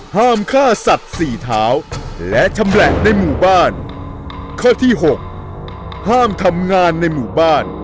ห้ามฆ่าสัตว์สี่เท้าและชำแหละในหมู่บ้านข้อที่หกห้ามทำงานในหมู่บ้าน